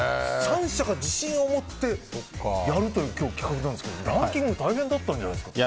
３社が自信を持ってやるという企画なんですけどランキング大変だったんじゃないんですか？